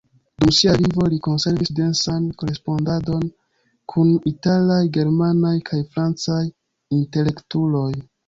Dum sia vivo li konservis densan korespondadon kun italaj, germanaj kaj francaj intelektuloj.